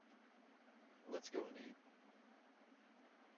Let's go and eat.